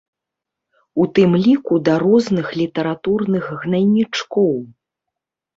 У тым ліку да розных літаратурных гнайнічкоў.